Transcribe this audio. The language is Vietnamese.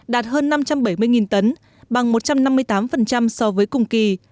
đạt hơn năm trăm bảy mươi tấn bằng một trăm năm mươi tám so với cùng kỳ